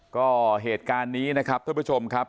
ก็เหตุการณ์นี้นะครับท่านผู้ชมครับ